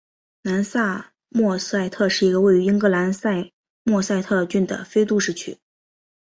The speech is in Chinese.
南萨默塞特是一个位于英格兰萨默塞特郡的非都市区。